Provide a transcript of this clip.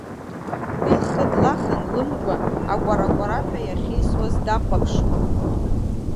Уи лхы длахан лымгәа акәаракәараҳәа иахьеисуаз дахәаԥшуан.